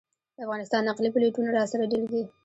د افغانستان نقلي پلېټونه راسره ډېر دي.